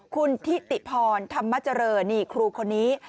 คุณทิติพรธรรมเจริญนี่ครูคนนี้